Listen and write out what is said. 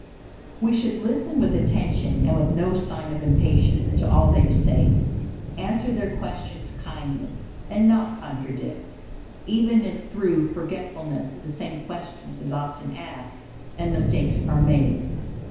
We should listen with attention and with no sign of impatience to all they say, answer their questions kindly, and not contradict, even if through forgetfulness the same question is often asked and mistakes are made.